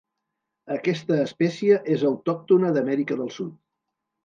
Aquesta espècie és autòctona d'Amèrica del Sud.